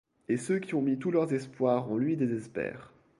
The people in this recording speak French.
Et ceux qui ont mis tous leurs espoirs en lui désespèrent.